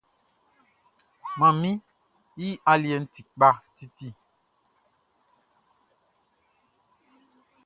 Manmi i aliɛʼn ti kpa titi.